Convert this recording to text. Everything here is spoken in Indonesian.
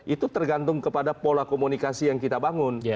itu tergantung kepada pola komunikasi yang kita bangun